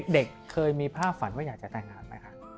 เด็กเคยมีภาพฝันว่าอยากจะแต่งงานไหมคะ